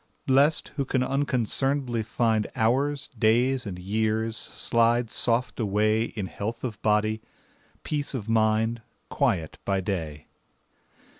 Blest, who can unconcern'dly find Hours, days, and years, slide soft away In health of body, peace of mind, Quiet by day.